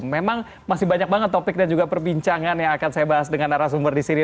memang masih banyak banget topik dan juga perbincangan yang akan saya bahas dengan arah sumber di sini